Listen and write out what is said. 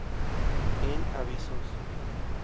En "Avisos.